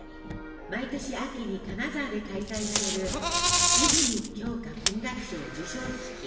毎年秋に金沢で開催される「泉鏡花文学賞」授賞式。